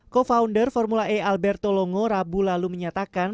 co founder formula e alberto longo rabu lalu menyatakan